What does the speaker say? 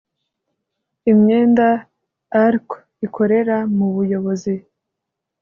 imyenda alco ikorera mu buyobozi